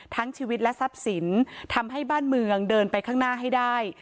ทั้งชีวิตและทรัพย์สินทำให้บ้านเมืองเดินไปข้างหน้าให้ได้